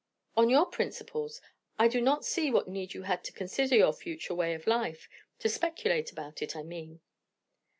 "On your principles, I do not see what need you had to consider your future way of life; to speculate about it, I mean."